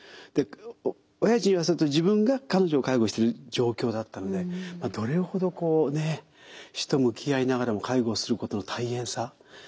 でおやじに言わせると自分が彼女を介護してる状況だったのでどれほどこうね死と向き合いながらも介護することの大変さ。